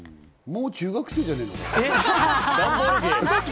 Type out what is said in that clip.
もう中学生じゃねえのか？